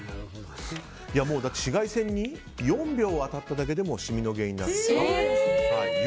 だって紫外線に４秒当たっただけでもシミの原因になると。